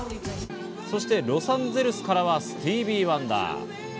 そしてロサンゼルスからはスティーヴィー・ワンダー。